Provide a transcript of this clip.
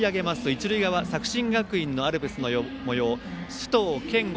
一塁側、作新学院のアルプスのもよう須藤健吾